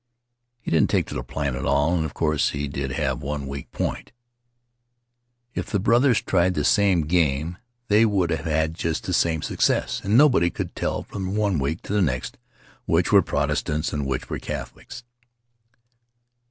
He didn't take to the plan at all, and of course it did have one weak point — if the Brothers tried the same game they would have just the same success, and nobody could tell from one week to the next which were Protestants and which were Catholics.